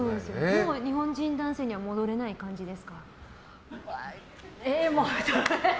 もう、日本人男性には戻れない感じですか？